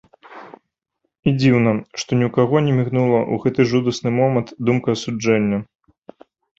І дзіўна, што ні ў каго не мігнула ў гэты жудасны момант думка асуджэння.